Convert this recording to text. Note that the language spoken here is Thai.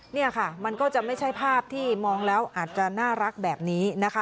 นี่ค่ะมันก็จะไม่ใช่ภาพที่มองแล้วอาจจะน่ารักแบบนี้นะคะ